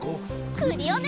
クリオネ！